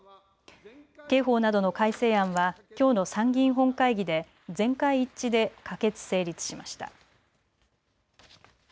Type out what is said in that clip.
刑法などの改正案はきょうの参議院本会議で全会一致で可決・成立しました。